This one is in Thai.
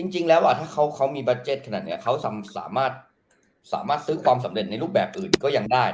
จริงแล้วถ้าเขามีบาเจ็ตขนาดนี้เขาสามารถซื้อความสำเร็จในรูปแบบอื่นก็ยังได้